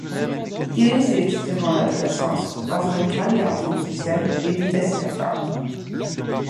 Il hésite durant l'adolescence entre une carrière de musicien et de dessinateur.